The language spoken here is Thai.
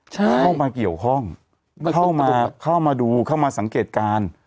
เข้ามาเกี่ยวข้องเข้ามาเข้ามาดูเข้ามาสังเกตการณ์